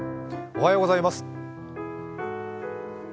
おはようございます。